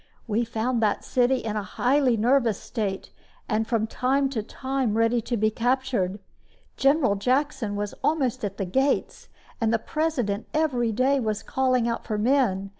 We found that city in a highly nervous state, and from time to time ready to be captured. General Jackson was almost at the gates, and the President every day was calling out for men.